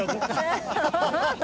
ハハハハ！